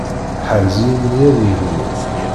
Ḥrez-iyi mmi ad yegmu.